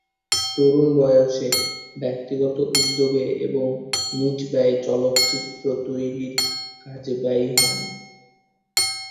তরুণ বয়সে ব্যক্তিগত উদ্যোগে এবং নিজ ব্যয়ে চলচ্চিত্র তৈরির কাজে ব্রতী হন।